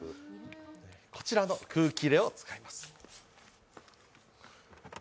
こちらの空気入れを使います。